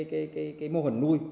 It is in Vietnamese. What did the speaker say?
cái mô hình nuôi